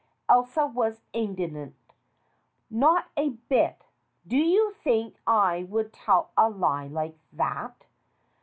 Elsa was indignant. "Not a bit. Do you think I would tell a lie like that?